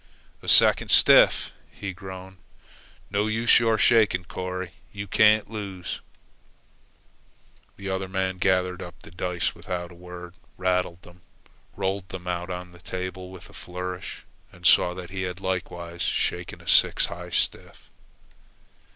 "A second stiff!" he groaned. "No use your shaking, Corry. You can't lose." The other man gathered up the dice without a word, rattled them, rolled them out on the table with a flourish, and saw that he had likewise shaken a six high stiff.